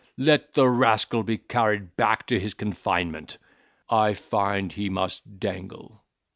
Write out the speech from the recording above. Let the rascal be carried back to his confinement. I find he must dangle."